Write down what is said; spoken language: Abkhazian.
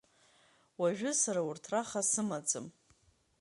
Уажәы сара урҭ раха сымаӡам.